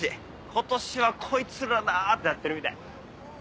今年はこいつらだってなってるみたい。